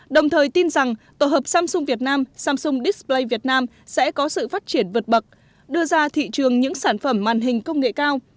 đồng thời tin rằng tổ hợp samsung việt nam samsung display việt nam sẽ có sự phát triển vượt bậc đưa ra thị trường những sản phẩm màn hình công nghệ cao